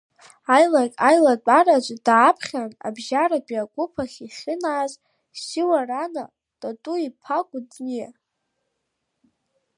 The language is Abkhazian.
Аилак аилатәараҿы дааԥхьан абжьаратәи агәыԥ ахь ихьынааз Сиуарна Тату-иԥа Кәыҵниа.